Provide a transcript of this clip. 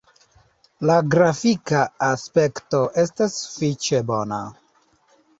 La grafika aspekto estas sufiĉe bona.